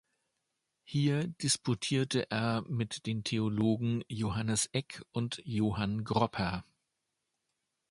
Hier disputierte er mit den Theologen Johannes Eck und Johann Gropper.